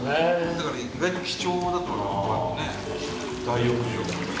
だから意外と貴重だと思います大浴場。